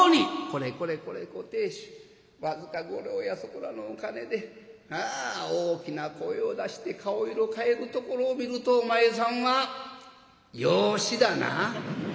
「これこれこれご亭主僅か５両やそこらのお金でああ大きな声を出して顔色変えるところを見るとお前さんは養子だな？」。